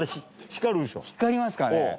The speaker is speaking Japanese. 光りますかね？